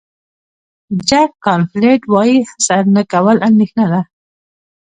جک کانفیلډ وایي هڅه نه کول اندېښنه ده.